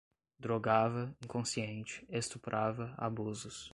drogava, inconsciente, estuprava, abusos